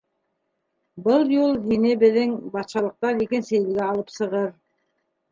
Был юл һине беҙҙең батшалыҡтан икенсе илгә алып сығыр.